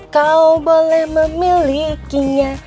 kau boleh memilikinya